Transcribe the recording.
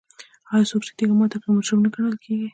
آیا څوک چې تیږه ماته کړي مجرم نه ګڼل کیږي؟